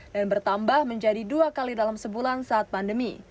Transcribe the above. dan bertambah menjadi dua kali dalam sebulan saat pandemi